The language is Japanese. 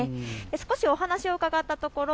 少しお話を伺ったところ